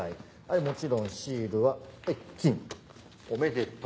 もちろんシールは金おめでとう。